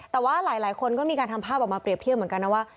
แต่ว่าหลายคนก็มีการทำภาพออกมาเปรียบเทียบเหมือนกันนะว่า